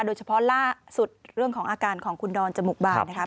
โดยเฉพาะล่าสุดเรื่องของอาการของคุณดอนจมูกบานนะคะ